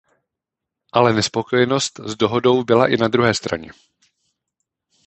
Ale nespokojenost s dohodou byla i na druhé straně.